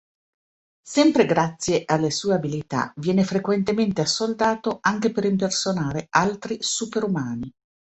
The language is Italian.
Sempre grazie alle sue abilità, viene frequentemente assoldato anche per impersonare altri superumani.